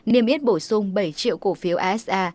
niềm yết bổ sung bảy triệu cổ phiếu asa